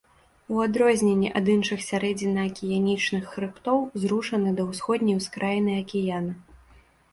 У адрозненне ад іншых сярэдзінна-акіянічных хрыбтоў, зрушаны да ўсходняй ускраіны акіяна.